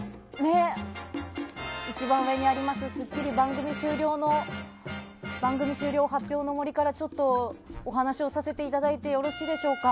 一番上にあります「スッキリ」番組終了を発表の森からお話をさせていただいてよろしいでしょうか。